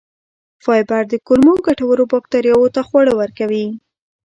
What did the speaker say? فایبر د کولمو ګټورو بکتریاوو ته خواړه ورکوي.